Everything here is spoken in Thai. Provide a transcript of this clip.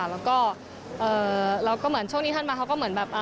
แล้วก็แล้วก็เหมือนช่วงนี้ธันวาเขาก็เหมือนแบบ